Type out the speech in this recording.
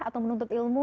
atau menuntut ilmu